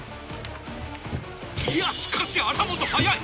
いやしかし荒本早い！